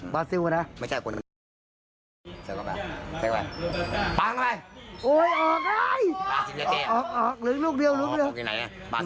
ผมอยากฟัง